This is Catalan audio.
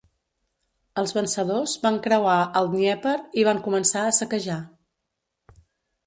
Els vencedors van creuar el Dnièper i van començar a saquejar.